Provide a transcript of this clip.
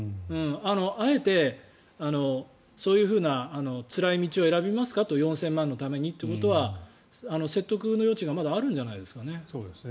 あえて、そういうふうなつらい道を選びますかと４０００万円のためにってことは説得の余地がまだあるんじゃないですかね？